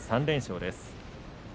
３連勝です。